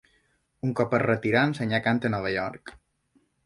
Un cop es retirà, ensenyà cant a Nova York.